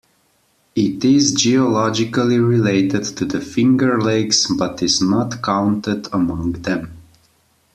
It is geologically related to the Finger Lakes but is not counted among them.